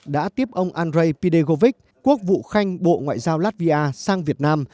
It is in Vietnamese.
đã tiếp ông andrei pidegovich quốc vụ khanh bộ ngoại giao latvia sang việt nam